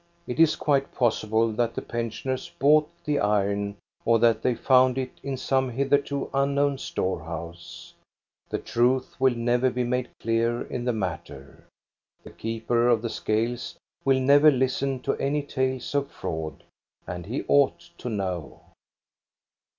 It is quite pos "sible that the pensioners bought the iron or that they found it in some hitherto unknown storehouse. The truth will never be made clear in the matter. The keeper of the scales will never listen to any tales of fraud, and he ought to know.